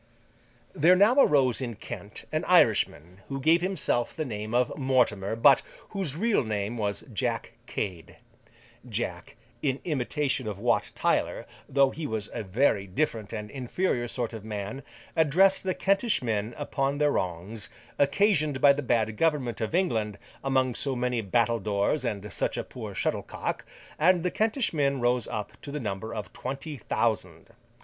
There now arose in Kent an Irishman, who gave himself the name of Mortimer, but whose real name was Jack Cade. Jack, in imitation of Wat Tyler, though he was a very different and inferior sort of man, addressed the Kentish men upon their wrongs, occasioned by the bad government of England, among so many battledores and such a poor shuttlecock; and the Kentish men rose up to the number of twenty thousand.